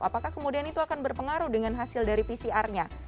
apakah kemudian itu akan berpengaruh dengan hasil dari pcr nya